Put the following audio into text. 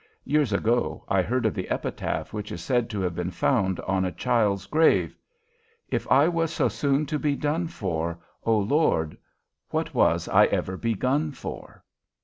Years ago I heard of the epitaph which is said to have been found on a child's grave: If I was so soon to be done for, O Lord, what was I ever begun for?